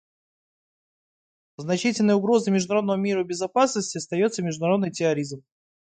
Значительной угрозой международному миру и безопасности остается международный терроризм.